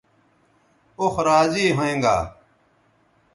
اوخ راضی ھوینگا